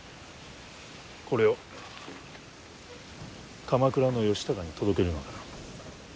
これを鎌倉の義高に届けるのだ。